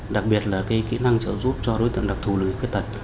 đặc biệt là kỹ năng trợ giúp cho đối tượng đặc thù là người khuyết tật